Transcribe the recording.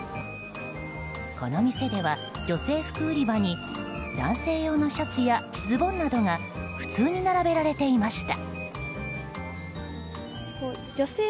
この店では女性服売り場に男性用のシャツやズボンなどが普通に並べられていました。